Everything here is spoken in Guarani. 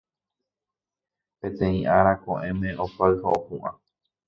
Peteĩ ára ko'ẽme opáy ha opu'ã.